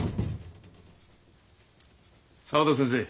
沢田先生